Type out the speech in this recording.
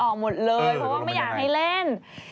หมดเลยเพราะว่าไม่อยากให้เล่น